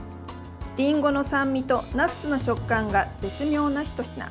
りんごの酸味とナッツの食感が絶妙なひと品。